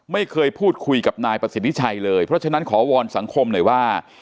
ไม่เคยพูดคุยกับนายประสิทธิชัยเลยเพราะฉะนั้นขอวอนสังคมหน่อยว่า